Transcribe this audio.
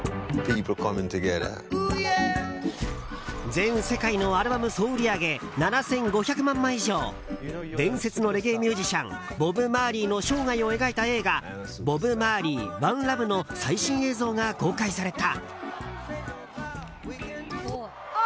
全世界のアルバム総売り上げ７５００万枚以上伝説のレゲエミュージシャンボブ・マーリーの生涯を描いた映画「ボブ・マーリー：ＯＮＥＬＯＶＥ」の最新映像が公開された。